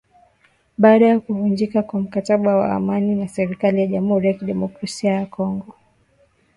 baada ya kuvunjika kwa mkataba wa amani na serikali ya Jamuhuri ya Demokrasia ya Kongo